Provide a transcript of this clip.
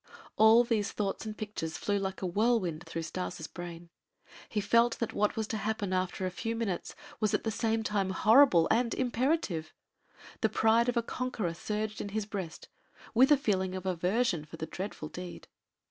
All these thoughts and pictures flew like a whirlwind through Stas' brain. He felt that what was to happen after a few minutes was at the same time horrible and imperative. The pride of a conqueror surged in his breast with a feeling of aversion for the dreadful deed.